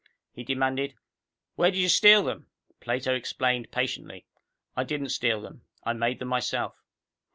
He demanded, "Where did you steal them?" Plato explained patiently, "I didn't steal them. I made them myself."